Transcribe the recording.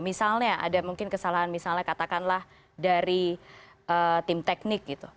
misalnya ada mungkin kesalahan misalnya katakanlah dari tim teknik gitu